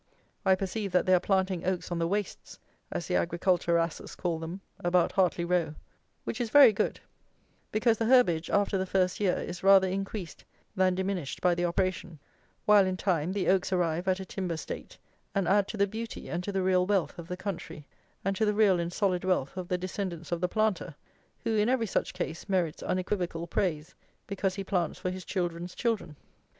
I perceive that they are planting oaks on the "wastes," as the Agriculturasses call them, about Hartley Row; which is very good; because the herbage, after the first year, is rather increased than diminished by the operation; while, in time, the oaks arrive at a timber state, and add to the beauty and to the real wealth of the country, and to the real and solid wealth of the descendants of the planter, who, in every such case, merits unequivocal praise, because he plants for his children's children.